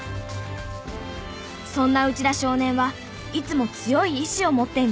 そんな内田少年はいつも強い意志を持っていました。